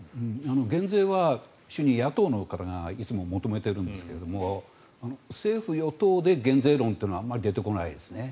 減税は主に野党がいつも求めているんですが政府・与党で減税論はあまり出てこないですね。